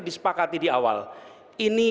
disepakati di awal ini